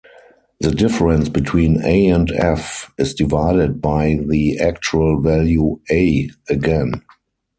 The difference between "A" and "F" is divided by the Actual value "A" again.